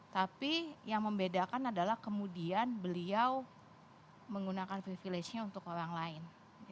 tapi yang membedakan adalah kemudian beliau menggunakan privilege nya untuk orang lain